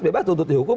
bebas tuntut dihukum